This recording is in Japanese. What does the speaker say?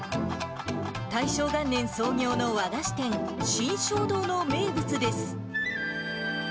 大正元年創業の和菓子店、新生堂の名物です。